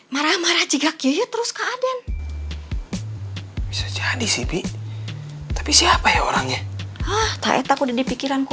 marah marah juga kiyo terus ke aden bisa jadi sih tapi siapa ya orangnya takut di pikiranku